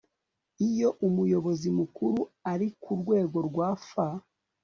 iyo umuyobozi mukuru ari ku rwego rwa f